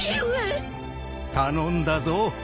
頼んだぞ。